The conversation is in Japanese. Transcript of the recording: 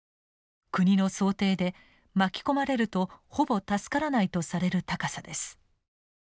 国の想定で「巻き込まれるとほぼ助からない」とされる高さです。